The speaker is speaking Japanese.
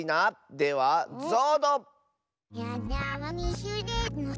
ではぞうど！